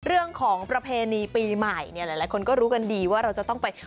เรื่องของประเพณีปีใหม่เนี่ยหลายคนก็รู้กันดีว่าเราจะต้องไป